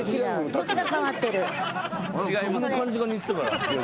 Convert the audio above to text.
曲の感じが似てたから。